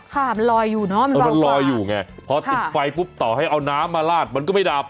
ค่ะมันลอยอยู่เนอะเออมันลอยอยู่ไงพอติดไฟปุ๊บต่อให้เอาน้ำมาลาดมันก็ไม่ดับ